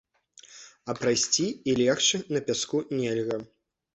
А прайсці і легчы на пяску нельга.